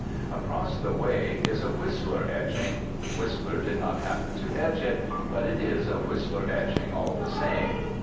Across the way is a Whistler etching; Whistler did not happen to etch it; but it is a Whistler etching all the same.